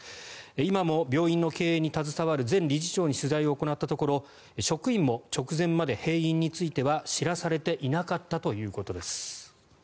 今も病院の経営に携わる前理事長に取材を行ったところ職員も直前まで閉院については知らされていなかったということです。